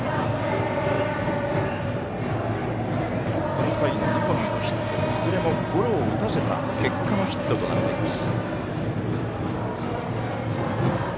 この回の２本のヒットいずれもゴロを打たせた結果のヒットとなっています。